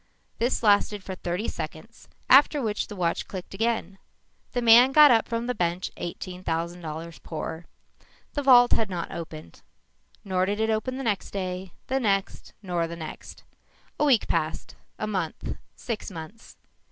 This lasted for thirty seconds after which the watch clicked again. The man got up from the bench eighteen thousand dollars poorer. The vault had not opened. Nor did it open the next day, the next, nor the next. A week passed, a month, six months.